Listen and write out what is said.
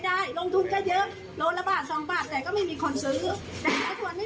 ท่านต้องช่วยเหลือชาวสวนได้